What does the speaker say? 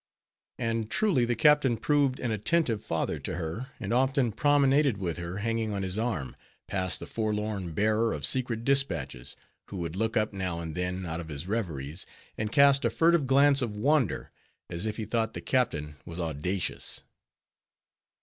And truly the captain proved an attentive father to her, and often promenaded with her hanging on his arm, past the forlorn bearer of secret dispatches, who would look up now and then out of his reveries, and cast a furtive glance of wonder, as if he thought the captain was audacious.